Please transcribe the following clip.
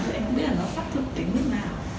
thì em cũng biết là nó sắp thuộc đến nước nào